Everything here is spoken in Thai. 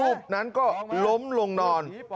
รูปนั้นก็ล้มลงนอน